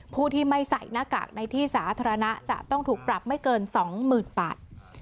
ผู้ที่ไม่ใส่หน้ากากในที่สาธารณะจะต้องถูกปรับไม่เกิน๒๐๐๐บาท